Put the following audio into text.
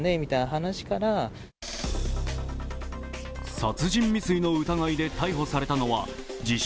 殺人未遂の疑いで逮捕されたのは自称